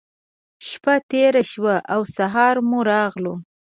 شپّه تېره شوه او سهار مو راغلو.